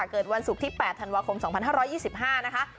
เกิดวันศุกร์ที่๘ธันวาคม๒๕๒๕นะคะ